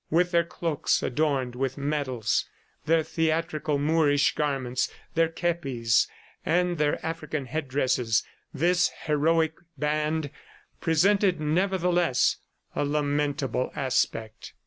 With their cloaks adorned with medals, their theatrical Moorish garments, their kepis and their African headdresses, this heroic band presented, nevertheless, a lamentable aspect.